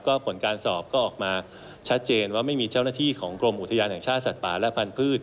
ก็ผลการสอบก็ออกมาชัดเจนว่าไม่มีเจ้าหน้าที่ของกรมอุทยานแห่งชาติสัตว์ป่าและพันธุ์